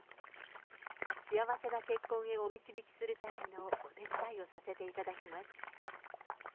幸せな結婚へお導きするための、お手伝いをさせていただきます。